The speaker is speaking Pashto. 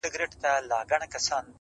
سترګي توري د هوسۍ قد یې چینار وو!.